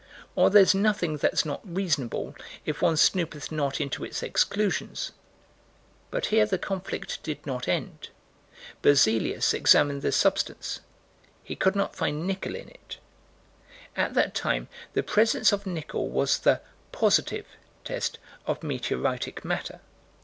Or there's nothing that's not reasonable, if one snoopeth not into its exclusions. But here the conflict did not end. Berzelius examined the substance. He could not find nickel in it. At that time, the presence of nickel was the "positive" test of meteoritic matter.